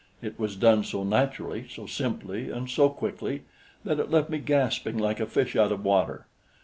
It was done so naturally, so simply and so quickly that it left me gasping like a fish out of water.